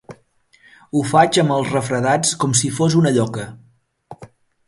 Ho faig amb els refredats com si fos una lloca.